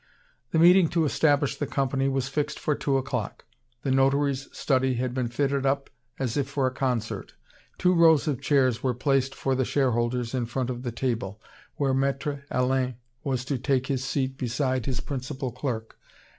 The meeting to establish the Company was fixed for two o'clock. The notary's study had been fitted up as if for a concert. Two rows of chairs were placed for the shareholders in front of the table, where Maître Alain was to take his seat beside his principal clerk.